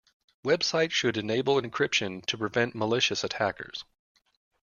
Websites should enable encryption to prevent malicious attackers.